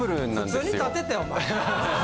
普通に立てってお前。